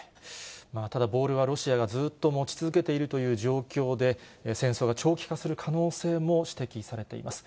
ただ、ボールはロシアがずっと持ち続けているという状況で、戦争が長期化する可能性も指摘されています。